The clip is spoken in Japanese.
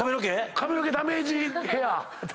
髪の毛ダメージヘア。